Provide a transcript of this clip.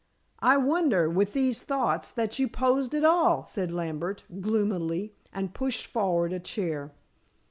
"I wonder, with these thoughts, that you posed at all," said Lambert gloomily, and pushed forward a chair.